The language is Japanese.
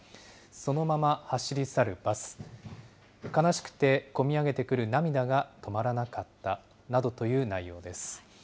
そのまま走り去るバス、悲しくてこみ上げてくる涙が止まらなかったなどという内容です。